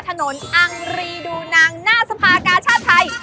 ถนนอังรีดูนางน่าสภากาชาติไทย